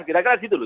kira kira gitu loh